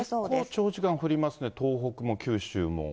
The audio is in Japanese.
結構、長時間降りますね、東北も九州も。